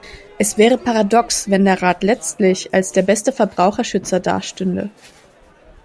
Es wäre paradox, wenn der Rat letztlich als der beste Verbraucherschützer dastünde.